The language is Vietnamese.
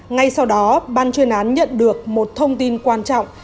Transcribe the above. ngay sau đó ban chuyên án nhận được một thông tin quan trọng